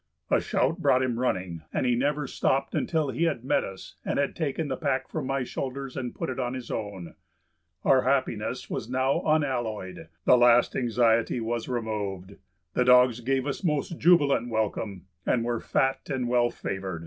A shout brought him running, and he never stopped until he had met us and had taken the pack from my shoulders and put it on his own. Our happiness was now unalloyed; the last anxiety was removed. The dogs gave us most jubilant welcome and were fat and well favored.